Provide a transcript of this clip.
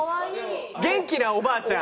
元気なお婆ちゃん。